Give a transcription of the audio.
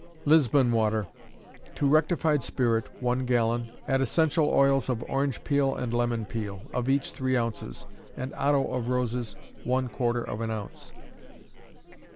Lisbon Water. To rectified spirit, one gallon, add essential oils of orange peel and lemon peel, of each three ounces, and otto of roses, one quarter of an ounce.